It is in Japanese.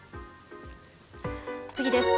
次です。